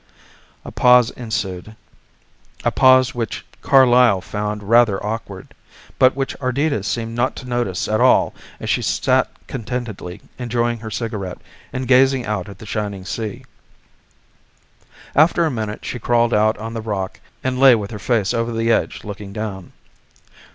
A pause ensued, a pause which Carlyle found rather awkward, but which Ardita seemed not to notice at all as she sat contentedly enjoying her cigarette and gazing out at the shining sea. After a minute she crawled out on the rock and lay with her face over the edge looking down.